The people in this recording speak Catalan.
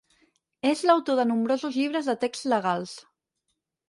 És l'autor de nombrosos llibres de text legals.